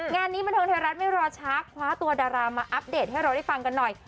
งานนี้บันเทิงไทยรัฐไม่รอช้าคว้าตัวดารามาอัปเดตให้เราได้ฟังกันหน่อย